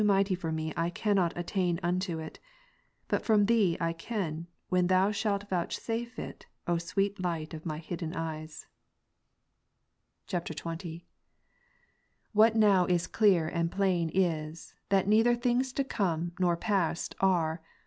mighty for me, I cannot attain unto it ; but from Thee I can, when Thou shalt vouchsafe it, O sweet Light of my hidden eyes. Past and future only exist in the soul. 239 [XX.] 2G. What now is clear and plain is, that neither things to come nor past are.